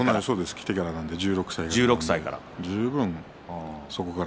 来てからなので１６歳から。